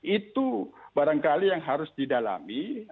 itu barangkali yang harus didalami